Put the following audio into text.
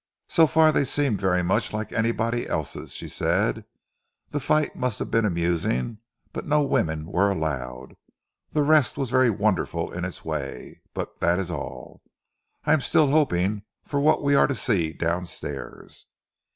"So far they seem very much like anybody's else," she said. "The fight might have been amusing, but no women were allowed. The rest was very wonderful in its way, but that is all. I am still hoping for what we are to see downstairs."